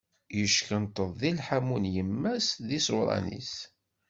Yeckenṭeḍ di lḥammu n yemma-s d yiẓuṛan-is.